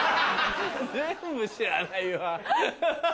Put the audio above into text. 全部知らないわ！